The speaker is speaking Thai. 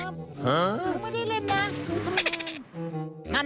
ไม่ได้เล่นนะทำงาน